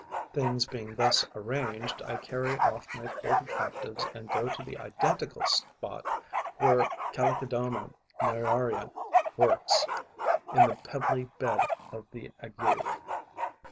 Things being thus arranged, I carry off my forty captives and go to the identical spot where C. muraria works, in the pebbly bed of the Aygues.